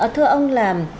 thưa ông là